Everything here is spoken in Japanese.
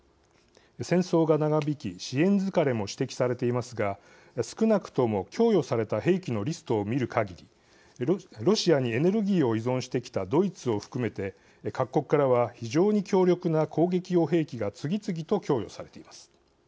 戦争が長引き支援疲れも指摘されていますが少なくとも供与された兵器のリストを見るかぎりロシアにエネルギーを依存してきたドイツを含めて各国からは非常に強力な攻撃用兵器が次々と供与されています。